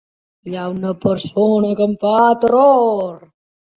Hi ha una persona que em fa terror.